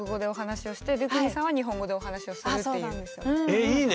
えっいいね。